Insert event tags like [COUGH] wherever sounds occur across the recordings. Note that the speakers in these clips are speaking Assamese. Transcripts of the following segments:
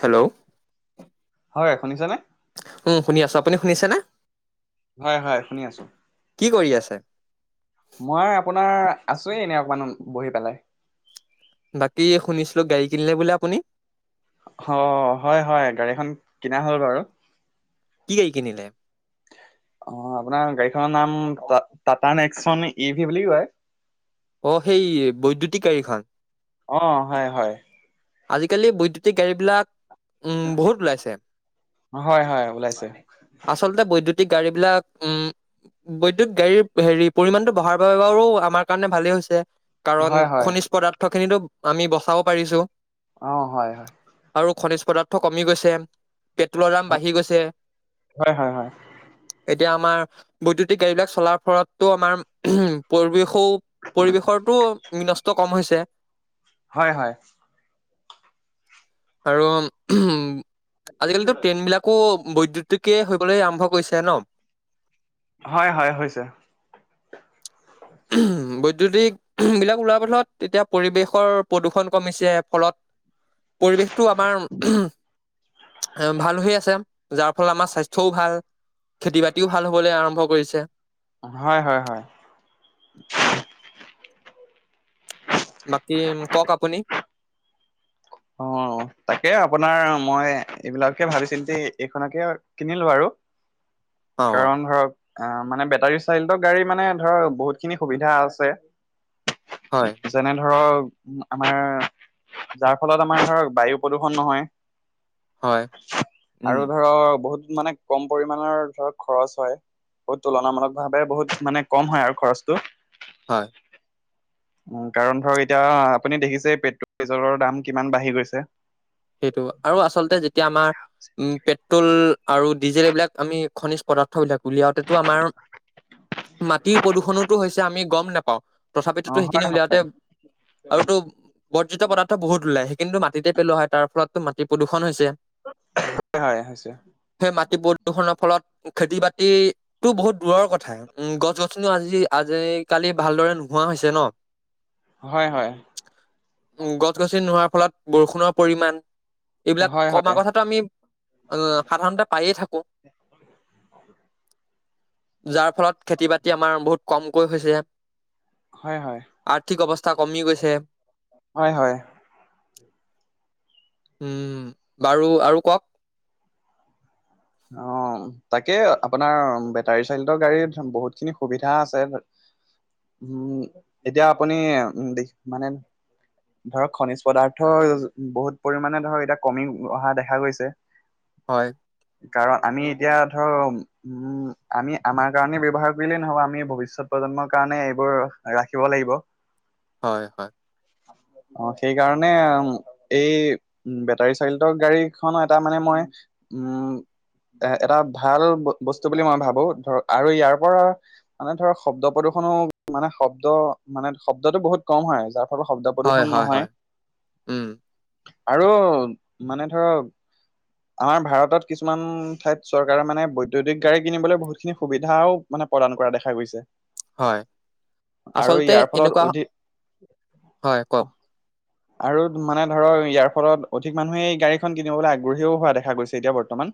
হেল্ল'। হয় শুনিছানে? উ শুনি আছো। আপুনি শুনিছেনে? হয় হয় শুনি আছো। কি কৰি আছে? মই আপোনাৰ আছোৱে এনেই অকমান বহি পেলাই। বাকী শুনিছিলো গাড়ী কিনিলে বোলে আপুনি অ হয় হয় গাড়ীখন কিনা হ'ল বাৰু। কি গাড়ী কিনিলে অ আপোনাৰ গাড়ীখনৰ নাম? উ টাটা নেকচন ই ভি বুলি কয়। অ সেই বৈদ্যুতিকাৰীখন? অ হয় হয়। আজিকালি বৈদ্যুতিক গাড়ী বিলাক উম বহুত ওলাইছে, হয় হয় ওলাইছে। আচলতে বৈদ্যুতিক [UNINTELLIGIBLE] গাড়ী বিলাক উম, বৈদ্যুত গাড়ী পৰিমাণ হেৰি বহাৰ বাবে বাৰো আমাৰ - ভালেই হৈছে। কাৰণ হয় হয় খনিজ পদাৰ্থ খিনিতো আমি বচাব পাৰিছো। অ হয় হয়। আৰু খনিজ পদাৰ্থ কমি গৈছে পেট্ৰলৰ দাম বাঢ়ি গৈছে। হয় হয় হয়। এতিয়া আমাৰ বৈদ্যুতিক গাড়ী বিলাক চলাৰ ফলতো আমাৰ উম পৰিৱেশো পৰিৱেশৰটো বিনষ্ট কম হৈছে হয় হয়। আৰু উম আজিকালিতো ট্ৰেইন বিলাকো বৈদ্যুতিকে হবলৈ আৰম্ভ কৰিছে ন? হয় হয় হৈছে। উম্হ বৈদ্যুতিক উমঃ বিলাক ওলোৱাৰ ফছত তেতিয়া পৰিৱেশৰ প্ৰদূষণ কমিছে ফলত পৰিৱেশটো আমাৰ [UNINTELLIGIBLE] এ ভাল হৈ আছে, যাৰ ফলত আমাৰ স্বাস্থ্যও ভাল। খেতি বাতিও ভাল হবলৈ আৰম্ভ কৰিছে। হয় হয় হয়। [UNINTELLIGIBLE] বাকী কওক আপুনি। অ তাকে আপোনাৰ মই এইবিলাকহে ভাবি চিন্তি এইখনকে কিনিলো আৰু। [INAUDIBLE] অ কাৰণ ধৰক, অ মানে বেটাৰী চাই গাড়ী মানে ধৰ বহুতখিনি সুবিধা আছে। হয় যেনে ধৰক আমাৰ যাৰ ফলত আমাৰ ধৰক বায়ু প্ৰদূ্ষণ নহয় হয় উম আৰু ধৰক বহুত মানে কম পৰিমানৰ ধৰক খৰচ হয়। বহুত তুলনামূলক ভাৱে বহুত মানে কম হয়। আৰু খৰচটো, [INAUDIBLE] কাৰণ ধৰক এতিয়া আপুনি দেখিছে পেট্ৰল ডিজেলৰ দাম কিমান বাঢ়ি গৈছে। সেইটো, আৰু আচলতে যেতিয়া আমাৰ উম পেট্ৰল আৰু ডিজেল এইবিলাক আমি খনিজ পদাৰ্থ বিলাক উলিয়াওঁতেতো আমাৰ মাটিৰ প্ৰদূষণটো হৈছে, আমি গম নেপাওঁ। অ তথাপিতোতো সেইখিনি হয় উলাওঁতে, হয় আৰু তোৰ বৰ্জিত পদাৰ্থ বহুত ওলাই, সেইখিনিতো মাটিতে পেলোৱা হয়। তাৰ ফলতো মাটি প্ৰদূ্ষণ হৈছে। হয় হৈছে সেই মাটি প্ৰদূষণৰ ফলত খেতি বাতিটো বহুত দূৰৰ কথা, উম গছ গছনিও আজি আজিকালি ভালদৰে ন নোহোৱা হৈছে ন। হয় হয় উ গছ গছনি নোহোৱাৰ ফলত বৰষুণৰ পৰিমান, এইবিলাক হয় কমা হয় কথাটো আমি, অ সাধাৰণতে পায়ে থাক অ যাৰ ফলত খেতি বাতি আমাৰ বহুত কমকৈ হৈছে। হয় হয় আৰ্থিক অৱস্থা কমি গৈছে। হয় হয়। উম বাৰু আৰু কওক। অ তাকে আপোনাৰ বেটাৰী চাইলটৰ গাড়ী বহুতখিনি সুবিধা আছে। উম এতিয়া আপুনি উম মানে ধৰক খনিজ পদাৰ্থ, বহুত পৰিমাণে ধৰক এতিয়া কমি অহা দেখা গৈছে। হয়। কাৰণ আমি এতিয়া ধৰ উম, আমি আমাৰ কাৰণে ব্যৱহাৰ কৰিলেই নহব আমি ভৱিষ্যত প্ৰজন্মৰ কাৰণে এইবোৰ ৰাখিব লাগিব। হয় হয়। অ সেইকাৰণে এই বেটাৰী চাইলটৰ গাড়ীখনো এটা মানে মই উম, [INAUDIBLE] এ এটা ভাল বস্তু বুলি মই ভাবো, ধৰ আৰু ইয়াৰ পৰা মানে ধৰক শব্দ প্ৰদূষনো মানে শব্দ মানে শব্দতটো বহুত কম হয় যাৰ শব্দ হয় প্ৰদূষণ হয় হয় নহয়। উম, আৰু মানে ধৰক আমাৰ ভাৰতত কিছুমান ঠাইত চৰকাৰে মানে বৈদ্যুতিক গাড়ী কিনিবলৈ বহুতখিনি সুবিধাও মানে প্ৰদান কৰা দেখা গৈছে। হয়। আৰু আচলতে ইয়াৰ ফলত এনেকুৱা অধিক হয় কওক আৰু মানে ধৰা ইয়াৰ ফলত অধিক মানুহে গাড়ীখন কিনিবলৈ আ গঢ়িও হোৱা দেখা গৈছে এতিয়া বৰ্তমান।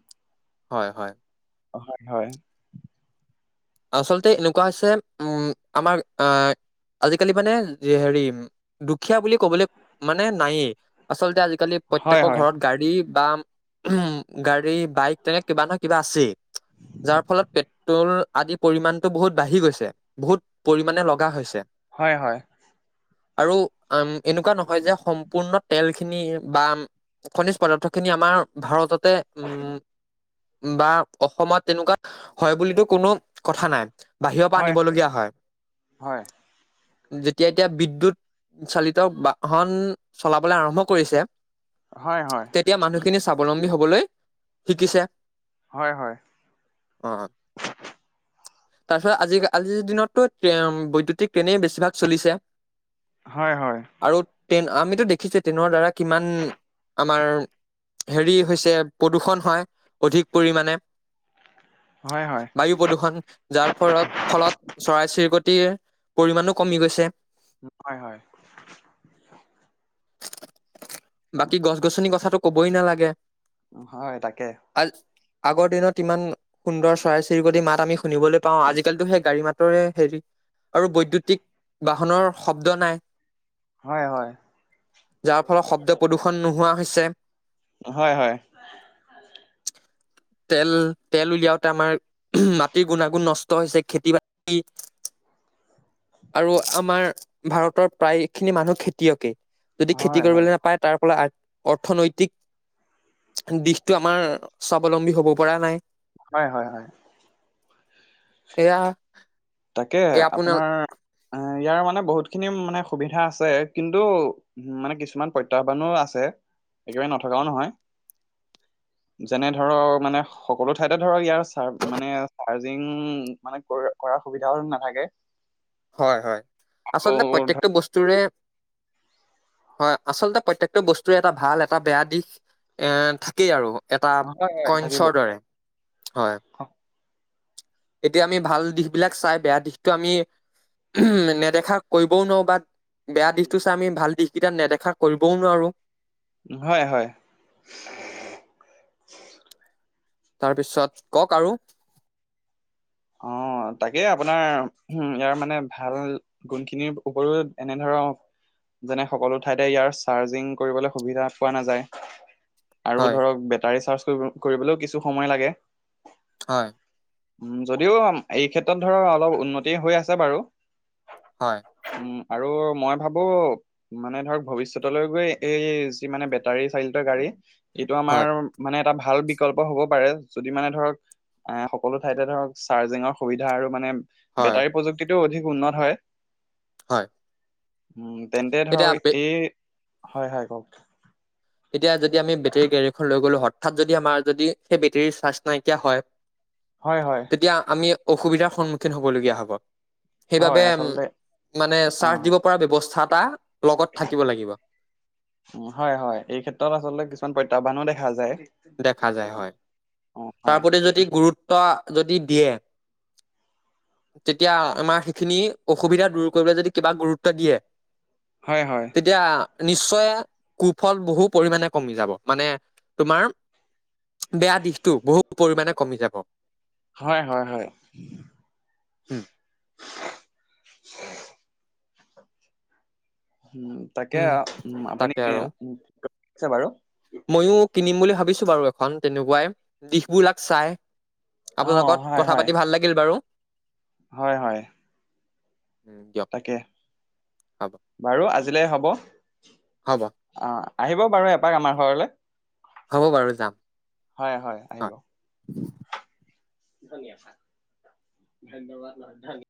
হয় হয়। হয় হয়। আচলতে এনেকুৱা হৈছে উম আমাৰ আহ আজিকালি মানে হেৰি দুখীয়া বুলি কবলে মানে নায়েই, আচলতে আজি কালি হয় প্ৰত্যেকৰ হয় ঘৰত গাড়ী। বা উ গাড়ী বাইক তেনেকে কিবা নহয় কিবা আছেই। যাৰ ফলত পেট্ৰল আদি পৰিমণতটো বহুত বাঢ়ি গৈছে বহুত পৰিমণে লগা হৈছে। হয় হয়। আৰু উ এনেকুৱা নহয় যে সম্পূৰ্ণ তেল খিনি বা খনিজ পদাৰ্থ খিনি আমাৰ ভাৰততে উম বা অসমত তেনেকুৱা হয় বুলিতো কোনো কথা নাই বাহিৰৰ পৰা হয় আনিবলগীয়া হয়। হয় যেতিয়া এতিয়া বিদ্যুৎ চালিত বাহন চলাবলৈ আৰম্ভ কৰিছে। হয় হয় তেতিয়া মানুহখিনি স্বাৱলম্বী হবলৈ শিকিছে। হয় হয়। [INAUDIBLE] অ তাৰপিছত আজি আজিৰ দিনততো বৈদ্যুতিক ট্টেইনেই বেছিভাগ চলিছে হয় হয়। আৰু ট্ৰেইন আমিতো দেখিছো ট্ৰেইনৰ দ্বাৰা কিমান আমাৰ হেৰি হৈছে, প্ৰদূষণ হয় অধিক পৰিমানে। হয় হয়। যাৰ ফলত ফলত চৰাই চিৰিকটিৰ পৰিমানো কমি গৈছে। ন হয়। বাকী গছ গছনিৰ কথাটো কবই নালাগে হয় তাকে। আ আগৰ দিনত ইমান সুন্দৰ চৰাই চিৰিকটি মা আমি শুনিবলৈ পাও আজিকালিতো সেই গাড়ী মাতৰে হেৰি আৰু বৈদ্যুতিক বাহনৰ শব্দ নাই হয় হয় যাৰ ফলত শব্দ প্ৰদূষণ নোহোৱা হৈছে হয় হয় তেল তেল উলিয়াওতে আমাৰ ম - খেতি গুণাগুণ নষ্ট হৈছে, খেতি বাতি আৰু আমাৰ ভাৰতৰ প্ৰায় খিনি মানুহ খেতিয়কে যদি খেতি হয় হয় কৰিবলৈ নাপায় তাৰ ফলত অৰ্থনৈতিক দিশটো আমাৰ স্বাৱলম্বী হব পৰা নাই। হয় হয় হয়। এয়া। তাকে আপোনাৰ অ ইয়াৰ মানে বহুত খিনি মানে সুবিধা আছে। কিন্তু মানে কিছুমান প্ৰত্যাহ্বানো আছে। একেবাৰে নথকাও নহয়। [INAUDIBLE] যেনে ধৰক মানে সকলো ঠাইতে ধৰক ইয়াৰ চ মানে চাৰ্জিং মানে কৰা সুবিধাও নাথাকে। হয় হয়। আকৌ আচলতে ধৰ প্ৰত্যেকটো বস্তুৰে, হয়। আচলতে প্ৰত্যেকটো বস্তুৰে এটা ভাল এটা বেয়া দিশ এ থাকেই আৰু। এটা হয়, হয় কইন্ছৰ থাকিবই। দৰে হয় এতিয়া আমি ভাল দিশ বিলাক চাই বেয়া দিশতটো আমি উম নেদেখা। কৰিবও নোৱাৰোঁ বা বেয়া দিশটো চাই আমি ভাল দিশকেইটা নেদেখা কৰিবও নোৱাৰোঁ। হয় হয়। তাৰপিছত কওক আৰু অ তাকে আপোনাৰ উ ইয়াৰ মানে ভাল গুণ খিনিৰ ওপৰিও এনেধৰৰ। যেনে সকলো ঠাইতে ইয়াৰ চাৰ্জিং কৰিবলৈ সুবিধা পোৱা নাযায় আৰু হয় ধৰক বেটাৰী চাৰ্জ কৰিবলৈও কিছু সময় লাগে হয় উম যদিও এই ক্ষেত্ৰত ধৰ অলপ উন্নতি হৈ আছে বাৰু হয় উম আৰু মই ভাবো মানে ধৰক ভৱিষ্যতলৈ গৈ এই যি মানে বেটাৰী চালিত গাড়ী এইটো আমাৰ হয় মানে এটা ভাল বিকল্প হব পাৰে যদি মানে ধৰক এ সকলো ঠাইতে ধৰক চাৰ্জিঙৰ সুবিধা আৰু মানে হয় বেটাৰী প্ৰযুক্তিটোও অধিক উন্নত হয় হয় উম তেন্তে এতিয়া ধৰক বে- এই হয় হয় কওক। এতিয়া যদি আমি বেটেৰী গাড়ীখন লৈ গলো, হঠাৎ যদি আমাৰ যদি সেই বেটেৰীৰ চাৰ্জ নাইকিয়া হয়। হয় হয় তেতিয়া আমি অসুবিধাৰ সন্মুখীন হব লগীয়া হব হয় সেইবাবে আচলতে মানে অ চাৰ্চ দিব হয় পৰা ব্যৱস্থা এটা, লগত থাকিব লাগিব তত আচলতে কিছুমান প্ৰত্যাহ্বানো দেখা যায়। দেখা যায় হয় অ তাৰ হয় প্ৰতি যদি গুৰুত্ব যদি দিয়ে তেতিয়া আমাৰ সেইখিনি অসুবিধা দূৰ কৰিবলৈ যদি কিবা গুৰুত্ব দিয়ে হয় হয় তেতিয়া, নিশ্চয় কুফল বহু পৰিমণে কমি যাব। মানে তোমাৰ, বেয়া দিশটো বহু পৰিমানে কমি যাব। হয় হয় হয়। উম উম তাকে, উম আপুনি তাকে আৰু [UNINTELLIGIBLE] বাৰু। ময়ো কিনিম বুলি ভাবিছো বাৰু এখন। তেনেকুৱাই, দিশবিলাক চাই। আপোনাৰ অ', লগত হয়, কথা হয়, পাতি ভাল লাগিল বাৰু! হয়, হয়, উম, দিয়ক তাকে, হ'ব বাৰু আজিলৈ হ'ব। হ'ব আ আহিব বাৰু এপাক আমাৰ ঘৰলে, হ'ব বাৰু যাম হয় হয় অ আহিব। ধনী আছা। ধন্যবাদৰ ধন